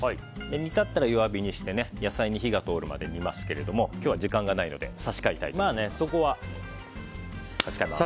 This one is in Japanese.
煮立ったら、弱火にして野菜に火が通るまで煮ますけれども今日は時間がないのでそこはね。